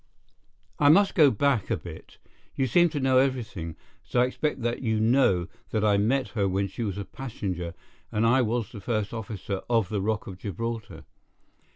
"I must go back a bit. You seem to know everything, so I expect that you know that I met her when she was a passenger and I was first officer of the Rock of Gibraltar.